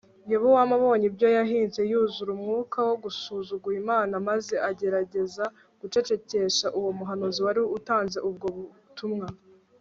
Yerobowamu abonye ibyo yahize yuzura umwuka wo gusuzugura Imana maze agerageza gucecekesha uwo muhanuzi wari utanze ubwo butumwa